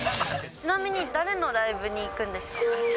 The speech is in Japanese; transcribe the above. ちなみに誰のライブに行くんですか？